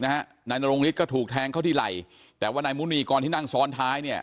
นายนรงฤทธิก็ถูกแทงเข้าที่ไหล่แต่ว่านายมุนีกรที่นั่งซ้อนท้ายเนี่ย